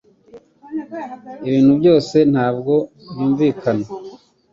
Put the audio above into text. Ibintu byose ntabwo byumvikana